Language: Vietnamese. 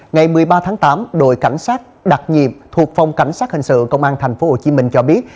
ngày một mươi ba tháng tám đội cảnh sát đặc nhiệm thuộc phòng cảnh sát hình sự công an tp hcm cho biết